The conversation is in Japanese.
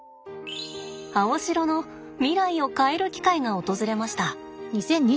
アオシロの未来を変える機会が訪れました。